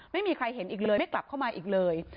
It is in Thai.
ไม่มีใครเห็นอีกเลยไม่กลับเข้ามาอีกเลย